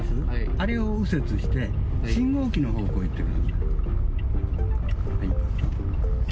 あれを右折して、信号機の方向に行ってください。